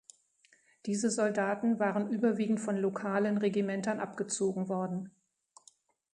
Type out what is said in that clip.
Diese Soldaten waren überwiegend von lokalen Regimentern abgezogen worden.